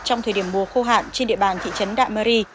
trong thời điểm mùa khô hạn trên địa bàn thị trấn đạm mưu ri